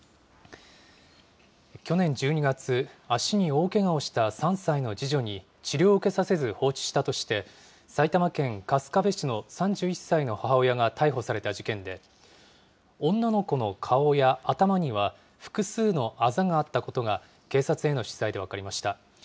去年１２月、足に大けがをした３歳の次女に、治療を受けさせず放置したとして、埼玉県春日部市の３１歳の母親が逮捕された事件で、女の子の顔や頭には、複数のあざがあったことが、警察への取材で分かりました。